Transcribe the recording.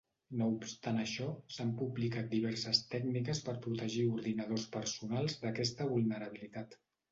No obstant això, s'han publicat diverses tècniques per protegir ordinadors personals d'aquesta vulnerabilitat.